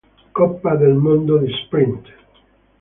Coppa del Mondo di sprint